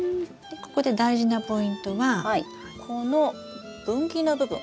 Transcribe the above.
ここで大事なポイントはこの分岐の部分